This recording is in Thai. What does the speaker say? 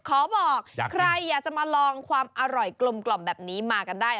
ขอบอกใครอยากจะมาลองความอร่อยกลมแบบนี้มากันได้